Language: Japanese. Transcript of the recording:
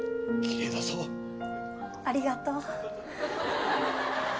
ありがとう。